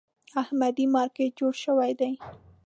احمدي مارکېټ جوړ شوی دی.